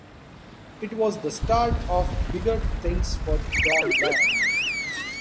It was the start of bigger things for Donlan.